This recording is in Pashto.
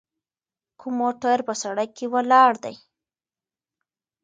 کوم موټر په سړک کې ولاړ دی؟